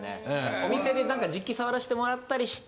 お店で何か実機触らせてもらったりして。